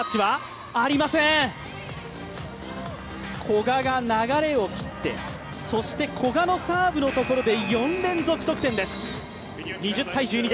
古賀が流れを切って、そして古賀のサーブのところで４連続得点です。